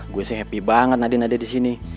gue sih happy banget nadine ada di sini